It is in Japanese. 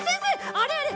あれあれ！